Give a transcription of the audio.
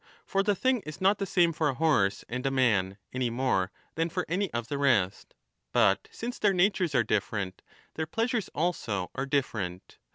For the thing is not the same for a horse and a man, any more than for any of the rest. But since their natures are different, their plea 10 sures also are different.